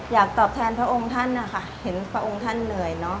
อยากตอบแทนพระองค์ท่านนะคะเห็นพระองค์ท่านเหนื่อยเนอะ